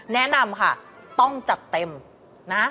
แนะนำค่ะต้องจัดเต็มนะ